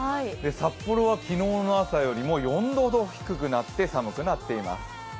札幌は昨日の朝よりも４度ほど低くなって寒くなっています。